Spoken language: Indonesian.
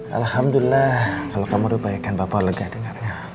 alhamdulillah kalau kamu rubaikan bapak lega dengarnya